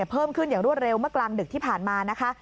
เพิ่มขึ้นอย่างรวดเร็วเมื่อกลางดึกที่ผ่านมานะคะ